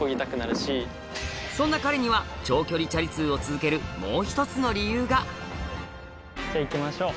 そんな彼には長距離チャリ通を続けるもう１つの理由が行きましょう。